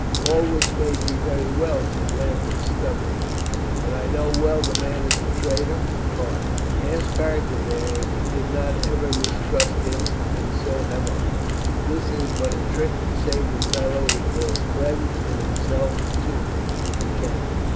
"All which may be very well," said Lambert stub bornly. "But I know well the man is a traitor at heart. Ask Ireton there if he did not ever mistrust him ; and so have L This is but a trick to save the fellow he calls friend and himself, too, if he can."